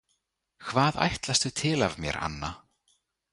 Hvað ætlastu til af mér Anna?